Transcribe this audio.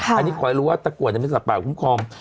อันนี้ขอให้รู้ว่าตะกรวดเป็นสัตว์ป่าคุ้มครอง